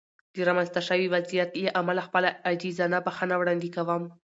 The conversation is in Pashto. د رامنځته شوې وضعیت له امله خپله عاجزانه بښنه وړاندې کوم.